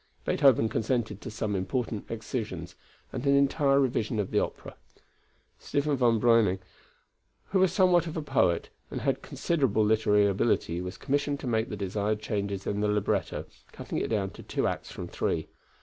Beethoven consented to some important excisions, and an entire revision of the opera. Stephen von Breuning, who was somewhat of a poet, and had considerable literary ability, was commissioned to make the desired changes in the libretto, cutting it down to two acts from three.